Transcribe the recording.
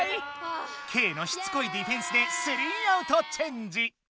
ケイのしつこいディフェンスで３アウトチェンジ！